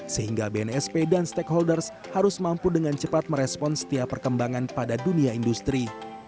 sehingga bnsp dan stakeholders harus mampu dengan cepat merespon setiap perkembangan pada dunia industri